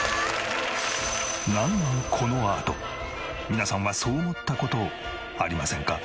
皆さんはそう思った事ありませんか？